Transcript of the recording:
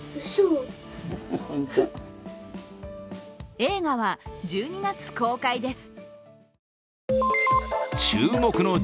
映画は１２月公開です。